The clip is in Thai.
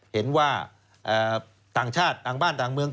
เห็นว่าต่างชาติต่างบ้านต่างเมือง